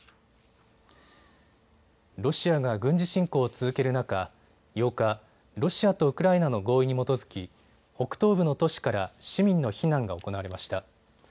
ロシアが軍事侵攻を続ける中、８日、ロシアとウクライナの合意に基づき、北東部の都市から市民の避難が行われました。